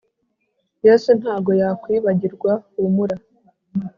yesu ntago yakwibagirwahumura